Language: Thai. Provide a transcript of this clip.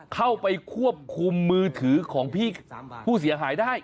เข้าไปควบคุมมือถือของพี่ผู้เสียหายได้